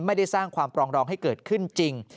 ไม่ได้สร้างความปรองดองให้เกิดขึ้นจริง